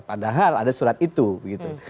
padahal ada surat itu begitu